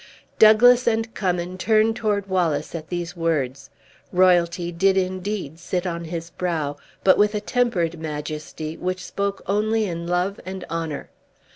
Douglas and Cummin turned toward Wallace at these words. Royalty did indeed sit on his brow, but with a tempered majesty which spoke only in love and honor.